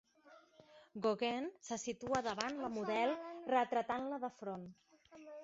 Gauguin se situa davant la model retratant-la de front.